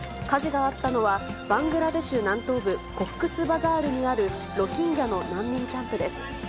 火事があったのは、バングラデシュ南東部、コックスバザールにあるロヒンギャの難民キャンプです。